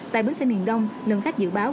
tại bến xe miền đông lượng khách dự báo